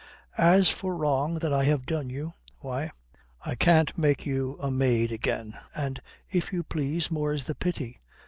As for wrong that I have done you why, I can't make you a maid again, and, if you please, more's the pity.